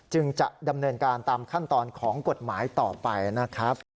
จึงจะดำเนินการตามขั้นตอนของกฎหมายต่อไปนะครับ